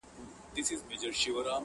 التفات دي د نظر نظر بازي کوي نیاز بیني,